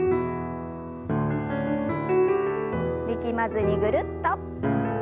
力まずにぐるっと。